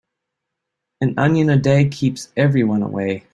An onion a day keeps everyone away.